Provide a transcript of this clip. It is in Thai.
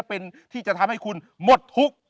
เป็นที่จะทำให้คุณหมดทุกข์